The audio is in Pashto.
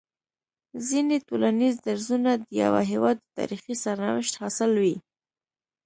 ځيني ټولنيز درځونه د يوه هيواد د تاريخي سرنوشت حاصل وي